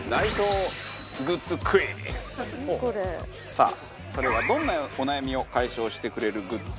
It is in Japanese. さあそれはどんなお悩みを解消してくれるグッズでしょうか？